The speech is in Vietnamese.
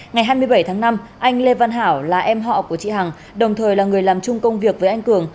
ngày hai mươi bảy tháng năm anh lê văn hảo là em họ của chị hằng đồng thời là người làm chung công việc với anh cường